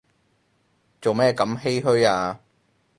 做咩咁唏噓啊